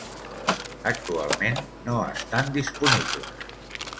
Actualment no estan disponibles.